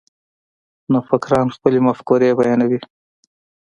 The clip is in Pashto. نوفکران خپلې مفکورې بیانوي.